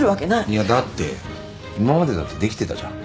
いやだって今までだってできてたじゃん。